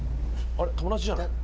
あれ友達じゃない？